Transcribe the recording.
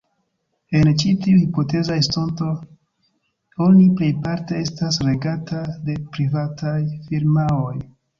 En ĉi tiu hipoteza estonto oni plejparte estas regata de privataj firmaoj.